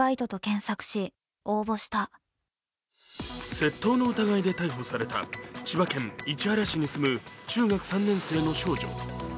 窃盗の疑いで逮捕された千葉県市原市に住む中学３年生の少女。